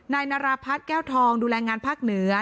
นายนาราพัฒน์แก้วทองดูแลงานภาคเหนือ